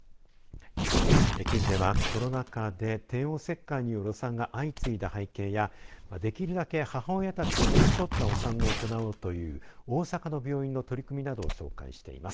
記事ではコロナ禍で帝王切開によるお産が相次いだ背景やできるだけ母親たちに寄り添ったお産を行おうという大阪の病院の取り組みなどを紹介しています。